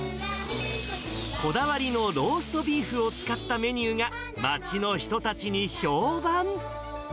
こだわりのローストビーフを使ったメニューが、町の人たちに評判。